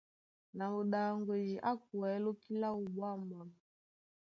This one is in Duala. Na muɗaŋgwedi á kwɛ̌ lóki láō ɓwǎmɓwâm.